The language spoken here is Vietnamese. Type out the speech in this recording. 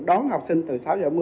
đón học sinh từ sáu h một mươi